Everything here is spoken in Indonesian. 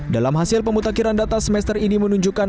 dalam hasil pemutakhiran data semester ini menunjukkan